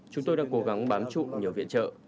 chúng tôi đang cố gắng bám trụ nhờ viện trợ